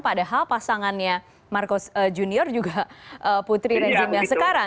padahal pasangannya marcos junior juga putri rezim yang sekarang